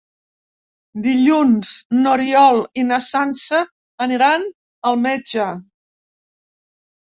Dilluns n'Oriol i na Sança aniran al metge.